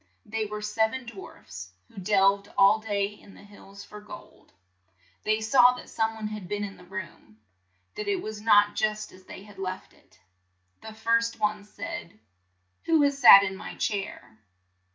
They were sev en dwarfs who delved all day in the hills for gold. They saw that some one had been in the room ; that it was not just as they had left it. The first one said, "Who has sat in my chair?"